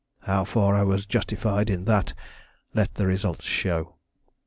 How far I was justified in that let the result show.